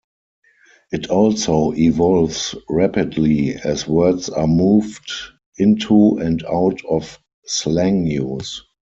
It also evolves rapidly, as words are moved into and out of slang use.